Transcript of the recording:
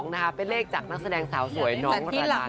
นะคะเป็นเลขจากนักแสดงสาวสวยน้องระดาน